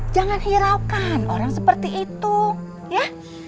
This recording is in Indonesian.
jangan hiraukan orang seperti itu ya